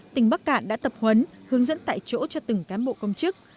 tỉnh bắc cạn đã tập huấn hướng dẫn tại chỗ cho từng cán bộ công chức